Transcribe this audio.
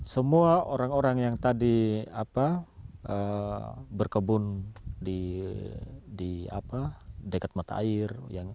semua orang orang yang tadi berkebun di dekat mata air